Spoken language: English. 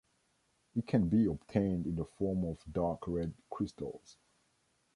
It can be obtained in the form of dark red crystals.